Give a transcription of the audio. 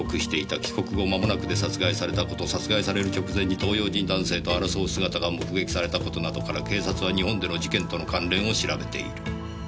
「帰国後まもなくで殺害された事殺害される直前に東洋人男性と争う姿が目撃された事などから警察は日本での事件との関連を調べている」